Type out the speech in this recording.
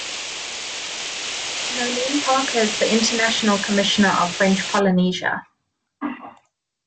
Noelline Parker is the International Commissioner of French Polynesia.